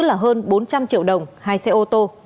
là hơn bốn trăm linh triệu đồng hai xe ô tô